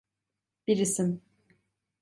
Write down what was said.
Bir isim.